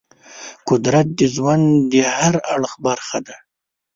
قدرت د ژوند د هر اړخ برخه ده.